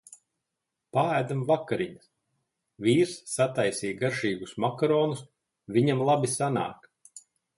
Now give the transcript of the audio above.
Paēdam vakariņas. Vīrs sataisīja garšīgus makaronus, viņam labi sanāk.